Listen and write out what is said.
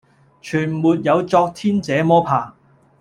全沒有昨天這麼怕，